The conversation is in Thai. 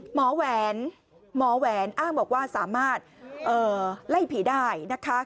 แหวนหมอแหวนอ้างบอกว่าสามารถไล่ผีได้นะคะ